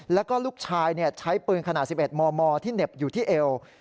แล้วก็ลูกชายใช้ปืนขนาด๑๑มมที่เหน็บอยู่ที่เอว